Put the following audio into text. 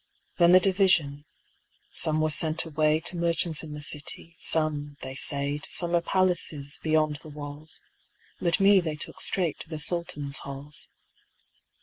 Then the division : some were sent away To merchants in the city; some, they say, To summer palaces, beyond the walls. But me they took straight to the Sultan's halls.